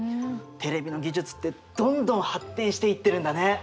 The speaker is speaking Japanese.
テレビの技術ってどんどん発展していってるんだね。